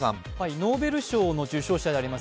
ノーベル賞の受賞者であります